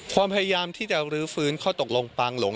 พยายามที่จะรื้อฟื้นข้อตกลงปางหลง